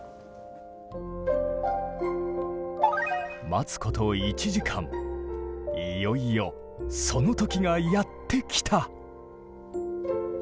待つこと１時間いよいよその時がやって来た。